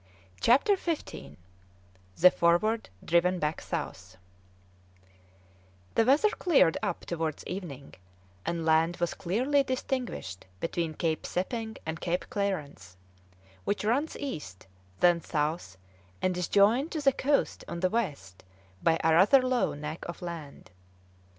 CHAPTER XV THE "FORWARD" DRIVEN BACK SOUTH The weather cleared up towards evening, and land was clearly distinguished between Cape Sepping and Cape Clarence, which runs east, then south, and is joined to the coast on the west by a rather low neck of land.